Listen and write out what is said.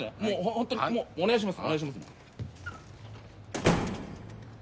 ホントにお願いします